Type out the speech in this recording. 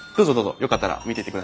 よかったら見てってください。